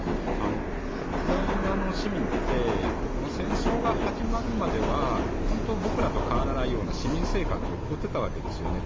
ウクライナの市民って戦争が始まるまでは本当に僕らと変わらないような市民生活を送っていたわけですよね。